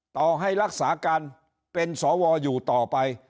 ต่อให้รักษาการเป็นสวอยู่ต่อไป